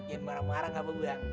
jangan marah marah nggak apa bang